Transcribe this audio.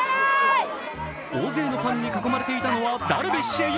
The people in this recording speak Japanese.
大勢のファンに囲まれていたのはダルビッシュ有。